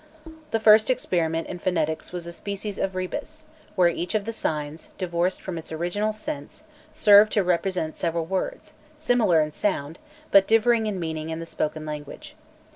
The first experiment in phonetics was a species of rebus, where each of the signs, divorced from its original sense, served to represent several words, similar in sound, but differing in meaning in the spoken language.